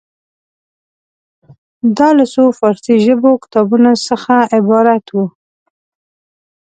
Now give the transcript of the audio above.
دا له څو فارسي ژبې کتابونو څخه عبارت وه.